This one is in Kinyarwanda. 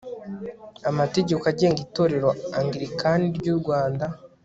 amategeko agenga itorero anglikani ry'u rwanda